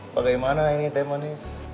bagaimana ini teh manis